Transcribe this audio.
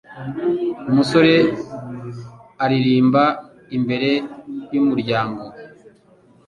Umusore aririmba imbere yumuryango.